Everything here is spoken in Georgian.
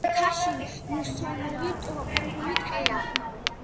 მთაში მუსონური ტროპიკული ტყეა.